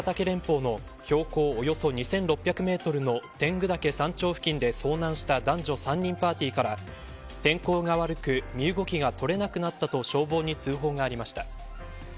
連峰の標高およそ２６００メートルの天狗岳山頂付近で遭難した男女３人パーティーから天候が悪く身動きが取れなくなったと消防に通報がありました。